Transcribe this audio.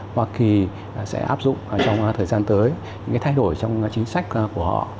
hoa kỳ sẽ áp dụng trong thời gian tới những thay đổi trong chính sách